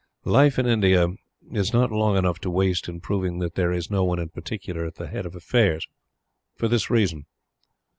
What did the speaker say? Life, in India, is not long enough to waste in proving that there is no one in particular at the head of affairs. For this reason.